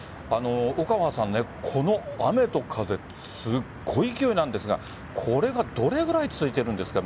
オカファーアナウンサー雨と風すごい勢いなんですがこれがどれぐらい続いているんですか？